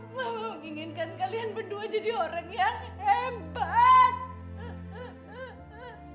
mama menginginkan kalian berdua jadi orang yang hebat